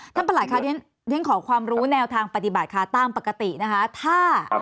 ประหลัดค่ะเรียนขอความรู้แนวทางปฏิบัติค่ะตามปกตินะคะ